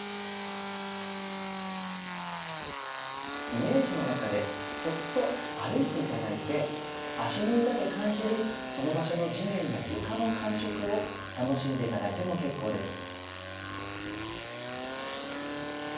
イメージの中でそっと歩いて頂いて足の裏で感じるその場所の地面や床の感触を楽しんで頂いても結構です。